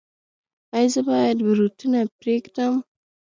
ایا زه باید بروتونه پریږدم؟